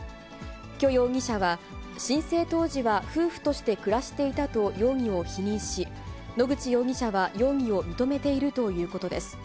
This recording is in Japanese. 許容疑者は、申請当時は、夫婦として暮らしていたと容疑を否認し、野口容疑者は容疑を認めているということです。